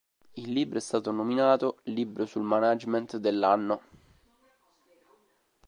Il libro è stato nominato "libro sul management dell'anno".